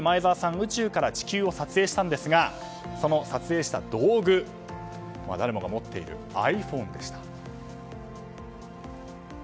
宇宙から地球を撮影したんですがその撮影した道具誰もが持っているｉＰｈｏｎｅでした。